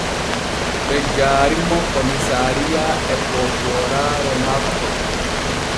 Ɓe jaari mo komisariya e poopooraare makko.